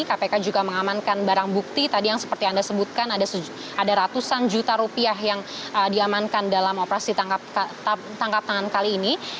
kpk juga mengamankan barang bukti tadi yang seperti anda sebutkan ada ratusan juta rupiah yang diamankan dalam operasi tangkap tangan kali ini